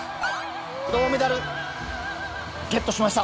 銅メダルゲットしました！